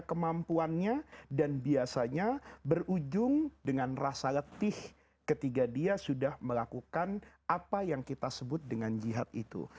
kemampuannya dan biasanya berujung dengan rasa letih ketika dia sudah melakukan apa yang kita sebut dengan jihad itu